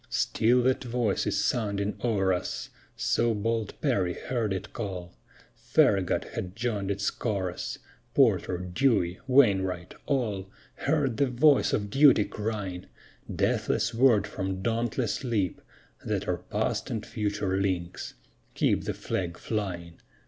_ Still that voice is sounding o'er us, So bold Perry heard it call; Farragut has joined its chorus; Porter, Dewey, Wainwright all Heard the voice of duty crying; Deathless word from dauntless lip That our past and future links: _Keep the Flag flying!